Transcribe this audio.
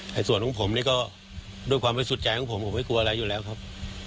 แต่ส่วนของผมนี่ก็ด้วยความบริสุทธิ์ใจของผมผมไม่กลัวอะไรอยู่แล้วครับ